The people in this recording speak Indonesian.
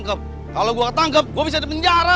kalau gue ketangkep kepengaruan gue bisa dipenjara